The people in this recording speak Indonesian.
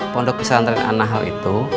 mondok pesantren anahal itu